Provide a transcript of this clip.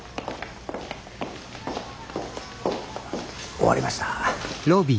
終わりました。